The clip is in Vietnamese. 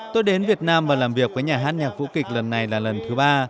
tôi đến việt nam và làm việc với nhà hát nhạc vũ kịch lần này là lần thứ ba